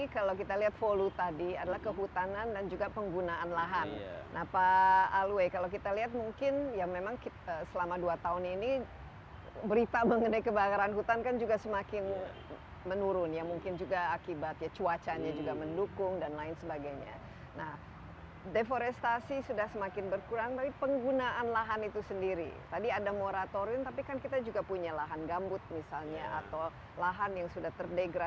punya lahan gambut misalnya atau lahan yang sudah terdegradasi dan lain sebagainya ini bagaimana